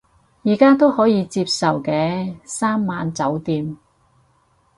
而家都可以接受嘅，三晚酒店